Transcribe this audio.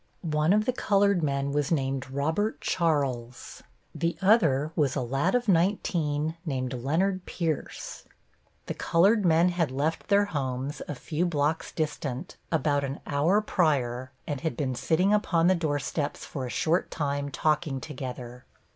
One of the colored men was named Robert Charles, the other was a lad of nineteen named Leonard Pierce. The colored men had left their homes, a few blocks distant, about an hour prior, and had been sitting upon the doorsteps for a short time talking together.